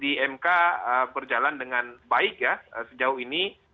di mk berjalan dengan baik ya sejauh ini